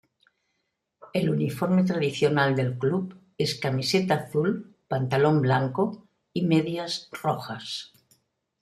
El uniforme tradicional del club es camiseta azul, pantalón blanco y medias rojas.